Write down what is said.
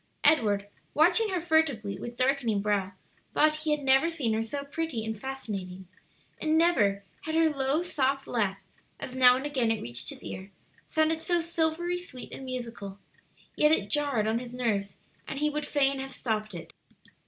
Edward, watching her furtively, with darkening brow, thought he had never seen her so pretty and fascinating, and never had her low soft laugh, as now and again it reached his ear, sounded so silvery sweet and musical, yet it jarred on his nerves, and he would fain have stopped it.